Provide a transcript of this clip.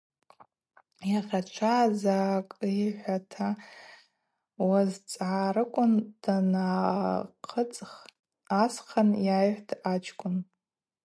Йагъачва закӏвыйхӏвата уазцӏгӏарыквын — дангӏахъыцӏх асхъан йайхӏвтӏ ачкӏвын.